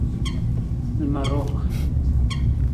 لمررخ